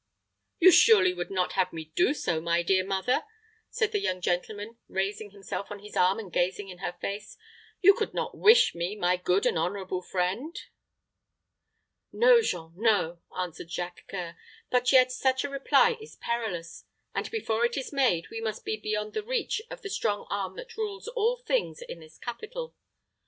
"You surely would not have me do so, my dear mother?" said the young gentleman, raising himself on his arm, and gazing in her face. "You could not wish me, my good and honorable friend?" "No, Jean, no," answered Jacques C[oe]ur; "but yet such a reply is perilous; and before it is made, we must be beyond the reach of the strong arm that rules all things in this capital.